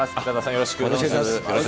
よろしくお願いします。